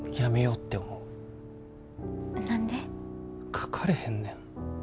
書かれへんねん。